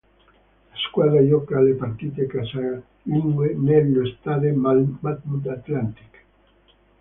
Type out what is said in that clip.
La squadra gioca le partite casalinghe nello Stade Matmut-Atlantique.